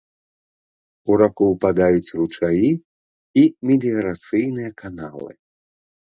У раку ўпадаюць ручаі і меліярацыйныя каналы.